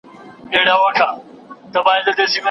نایله وایي چې منفي غبرګونونه هم وو.